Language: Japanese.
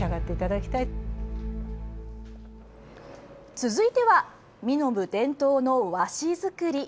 続いては、身延伝統の和紙作り。